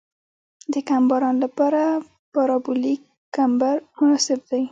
د کم باران لپاره پارابولیک کمبر مناسب دی